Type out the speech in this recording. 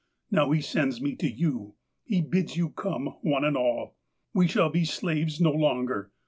Now he seuds me to you. He bids you come, oue and all. We shall be slaves no longer.